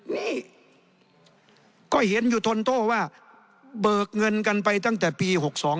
นี่ก็เห็นอยู่ทนโต้ว่าเบิกเงินกันไปตั้งแต่ปี๖๒